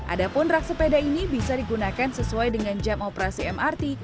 adapun rak sepeda ini bisa digunakan sesuai dengan jam operasi mrt